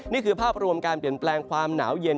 นี่คือภาพรวมการเปลี่ยนแปลงความหนาวเย็น